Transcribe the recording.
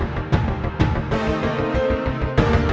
ketkn aanpa' mas edgard